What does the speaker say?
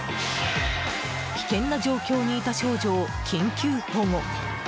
危険な状況にいた少女を緊急保護。